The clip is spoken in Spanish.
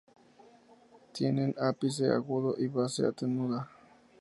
Tienen ápice agudo y base atenuada.